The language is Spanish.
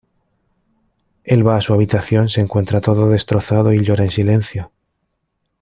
Él va a su habitación, se encuentra todo destrozado y llora en silencio.